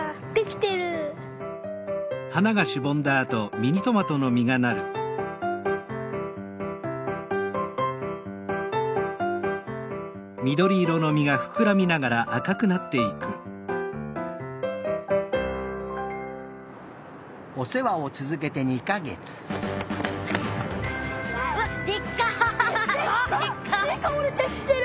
てかおれできてる！